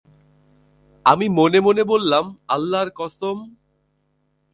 আমি মনে মনে বললাম, আল্লাহর কসম!